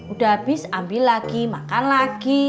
udah habis ambil lagi makan lagi